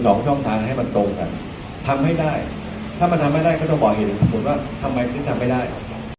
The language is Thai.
ก็ต้องบอกเห็นดูว่าทำไมธุินทำไม่ได้